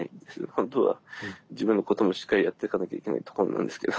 本当は自分のこともしっかりやっていかなきゃいけないところなんですけど。